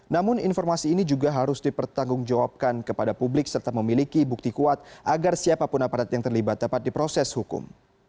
namun informasi ini juga harus dipertanggungjawabkan kepada publik serta memiliki bukti kuat agar siapapun aparat yang terlibat dapat diproses hukum